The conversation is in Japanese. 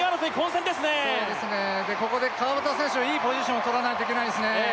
そうですねでここで川端選手はいいポジションをとらないといけないですね